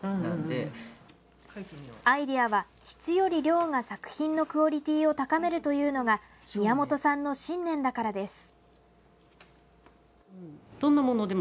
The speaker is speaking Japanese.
アイデアは質より量が作品のクオリティーを高めるというのが宮本さんの信念だからです。